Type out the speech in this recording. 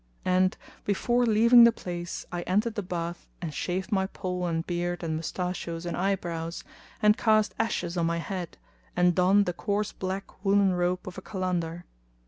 and before leaving the place I entered the bath and shaved my poll and beard and mustachios and eyebrows; and cast ashes on my head and donned the coarse black woollen robe of a Kalandar.